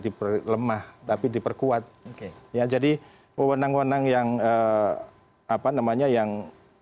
diperlemah tapi diperkuat oke ya jadi pewenang wenang yang apa namanya yang